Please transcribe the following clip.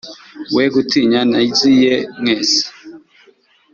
We gutinya naziye mwese